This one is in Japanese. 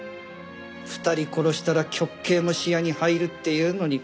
２人殺したら極刑も視野に入るっていうのにペラペラと。